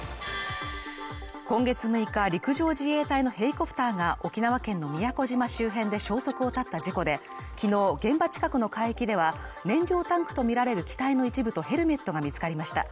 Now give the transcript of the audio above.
今月６日陸上自衛隊のヘリコプターが沖縄県の宮古島周辺で消息を絶った事故できのう現場近くの海域では、燃料タンクとみられる機体の一部とヘルメットが見つかりました。